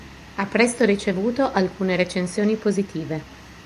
Ha presto ricevuto alcune recensioni positive.